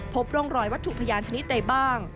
พบร่องรอยวัตถุพยานชนิดใดบ้าง